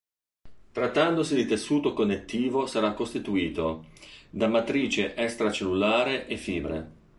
Trattandosi di tessuto connettivo sarà costituito da matrice extracellulare e fibre.